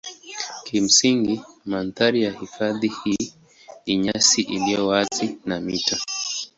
Kimsingi mandhari ya hifadhi hii ni nyasi iliyo wazi na mito.